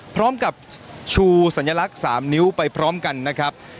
พร้อมกับชูสัญลักษณ์๓นิ้วไปพร้อมกันนะครับ